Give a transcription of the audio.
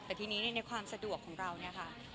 แต่ที่นี้ในความสะดวกของเราระคา